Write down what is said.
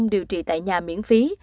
điều trị tại nhà miễn phí